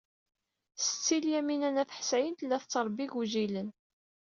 Setti Lyamina n At Ḥsayen tella tettṛebbi igujilen.